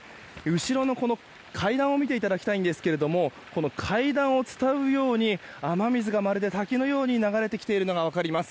後ろの階段を見ていただきたいんですが階段を伝うように雨水がまるで滝のように流れてきているのが分かります。